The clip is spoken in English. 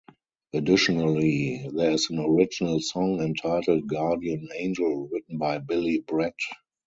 Additionally there is an original song entitled "Guardian Angel" written by Billy Brett.